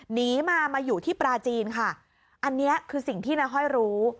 หนีมามาอยู่ที่ปลาจีนค่ะอันนี้คือสิ่งที่น้าห้อยรู้